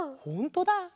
ほんとだ。